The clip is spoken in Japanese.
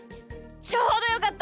ちょうどよかった。